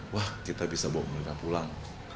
wah kita bisa bawa mereka pulang